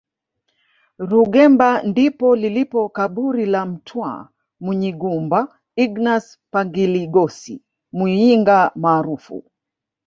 Rugemba ndipo lilipo kaburi la mtwa Munyigumba Ignas Pangiligosi Muyinga maarufu